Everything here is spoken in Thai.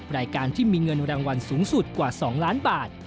รายการที่มีเงินรางวัลสูงสุดกว่า๒ล้านบาท